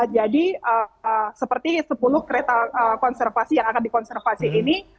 jadi seperti sepuluh kereta konservasi yang akan dikonservasi ini